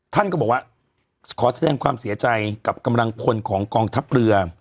ท่านก็บอกว่าขอแสดงความเสียใจกับกำลังพลของกองทัพเรือ